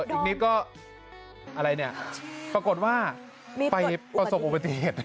อีกนิดก็อะไรเนี่ยปรากฏว่าไปประสบอุบัติเหตุ